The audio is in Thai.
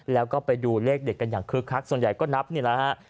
แล้วก็ไปดูเลขเด็กกันอย่างคึกคักส่วนใหญ่ก็นับนี่แหละฮะ